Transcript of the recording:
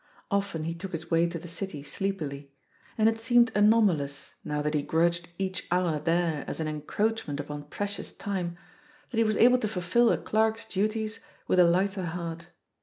Often he took his way to the City sleepily, and it seemed anomalous, now that he grudged each hour there as an encroachment upon precious time, that he was able to fulfil a clerk's duties with a lighter heart.